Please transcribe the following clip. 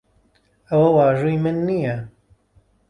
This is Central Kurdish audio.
ئەوە واژووی من نییە.